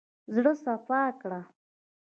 زړه سپا کړه.